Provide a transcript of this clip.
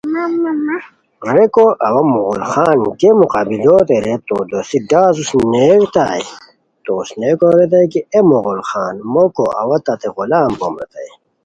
ریکو اوا مغل خان گیے مقابلوتے رے تو دوسی ڈاز اوسنئیتائے، تو اوسنئیکو ریتائے کی اے مغل خان موکو اوا تتے غلام بوم ریتائے